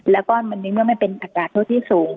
แล้วก็มันนึกว่าไม่เป็นประกาศโทษที่สูง